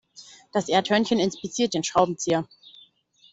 Das Erdhörnchen inspiziert den Schraubenzieher.